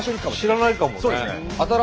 知らないかもね。